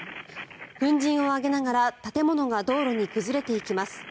粉じんを上げながら建物が道路に崩れていきます。